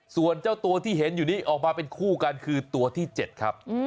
ส่วนเจ้าตัวที่เห็นอยู่นี้ออกมาเป็นคู่กันคือตัวที่๗ครับ